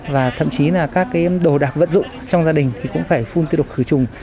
và thậm chí là các cái đồ đạc vận dụng trong gia đình thì cũng phải phun tiêu độc khử trùng